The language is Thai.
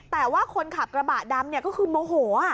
แต่ว่าคนขับกระบะดำก็คือโมโห